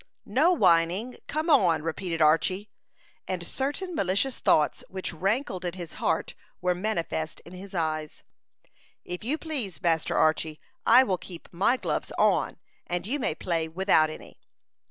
"No whining; come on!" repeated Archy; and certain malicious thoughts which rankled in his heart were manifest in his eyes. "If you please, Master Archy, I will keep my gloves on, and you may play without any."